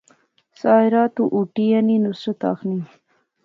ساحرہ ، تو ہوٹی اینی، نصرت آخنی